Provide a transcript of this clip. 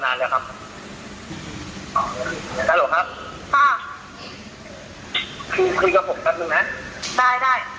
มึงจะละปากกันแล้วคุยกันรู้เรื่องแล้ว